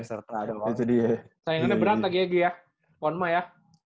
sayangannya berat lagi ya giyah ponma ya